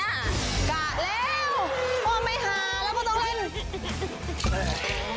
กะแล้วว่าไม่หาแล้วก็ต้องเล่น